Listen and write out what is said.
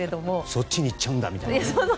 そっちにいっちゃうんだみたいなね。